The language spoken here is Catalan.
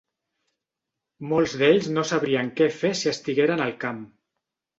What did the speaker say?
Molts d'ells no sabrien què fer si estigueren al camp.